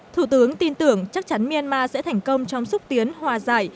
thủ tướng tin tưởng chắc chắn myanmar sẽ thành công trong xúc tiến hòa giải